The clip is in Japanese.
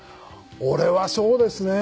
俺はそうですね